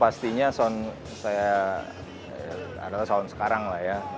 pastinya sound saya adalah sound sekarang lah ya